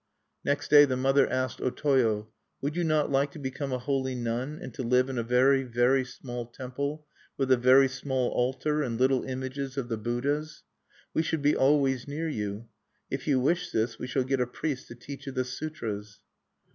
Next day the mother asked O Toyo: "Would you not like to become a holy nun, and to live in a very, very small temple, with a very small altar, and little images of the Buddhas? We should be always near you. If you wish this, we shall get a priest to teach you the sutras."